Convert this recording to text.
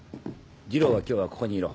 二郎は今日はここにいろ